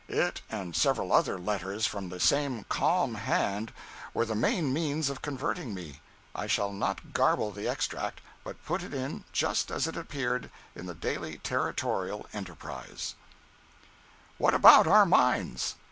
It and several other letters from the same calm hand were the main means of converting me. I shall not garble the extract, but put it in just as it appeared in the Daily Territorial Enterprise: But what about our mines?